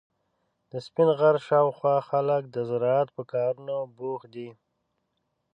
د سپین غر شاوخوا خلک د زراعت په کارونو بوخت دي.